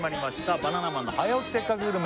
バナナマンの「早起きせっかくグルメ！！」